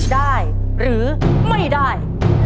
ได้หรือไม่ได้